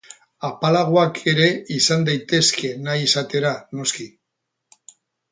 Apalagoak ere izan daitezke, nahi izatera, noski.